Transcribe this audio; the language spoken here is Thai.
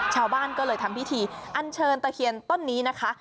ชาวบ้านก็เลยทำพิธีอันเชิญตะเคียนต้นนี้นะคะ